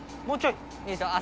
もうちょい！